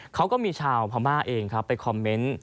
เขาก็มีชาวพม่าเองครับไปคอมเมนต์